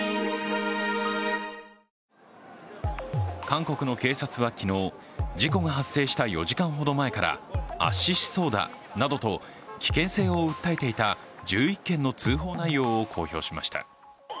韓国の警察は昨日、事故が発生した４時間ほど前から圧死しそうだなどと危険性を訴えていた１１件の通報内容を公表しました。